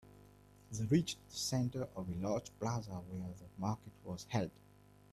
They reached the center of a large plaza where the market was held.